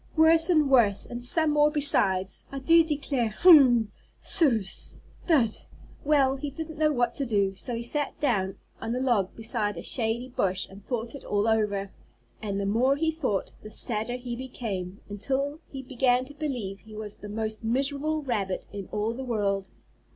"Worse and worse, and some more besides! I do declare! Hum! Suz! Dud!" Well, he didn't know what to do, so he sat down on a log beside a shady bush and thought it all over. And the more he thought the sadder he became, until he began to believe he was the most miserable rabbit in all the world.